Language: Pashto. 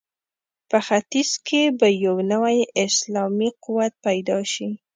په ختیځ کې به یو نوی اسلامي قوت پیدا شي.